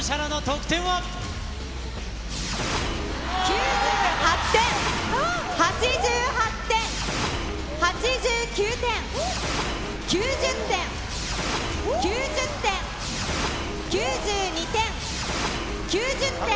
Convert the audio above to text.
９８点、８８点、８９点、９０点、９０点、９２点、９０点。